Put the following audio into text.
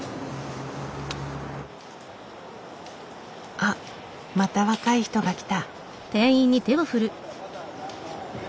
あっまた若い人が来た。